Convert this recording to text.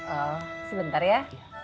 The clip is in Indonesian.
oh sebentar ya